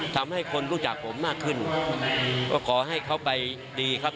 ทำให้คนรู้จักผมมากขึ้นก็ขอให้เขาไปดีครับ